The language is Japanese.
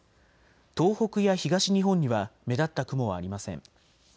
東北や東日本には目立った雲はありません。